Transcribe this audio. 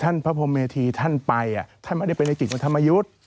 พระพรมเมธีท่านไปท่านไม่ได้ไปในจิตของธรรมยุทธ์